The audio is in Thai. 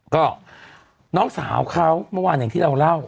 ก็น้องสาวเค้าเมื่อวานที่เราเล่า